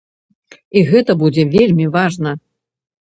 І гэта будзе вельмі важна!